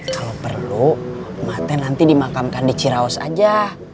kalau perlu maten nanti dimakamkan di ciraos aja